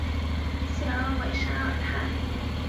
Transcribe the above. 谢尔韦沙泰拉尔。